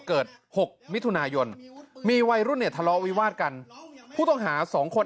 ๖มิถุนายนมีวัยรุ่นเนี่ยทะเลาะวิวาดกันผู้ต้องหาสองคน